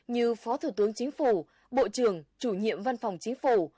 như phó thủ tướng chính phủ bộ trưởng chủ nhiệm văn phòng chính phủ